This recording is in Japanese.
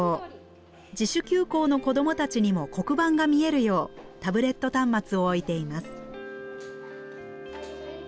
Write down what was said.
自主休校の子どもたちにも黒板が見えるようタブレット端末を置いています。